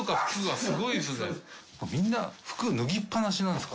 みんな服脱ぎっ放しなんですか？